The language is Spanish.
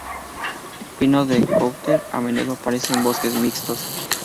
El pino de Coulter a menudo aparece en bosques mixtos.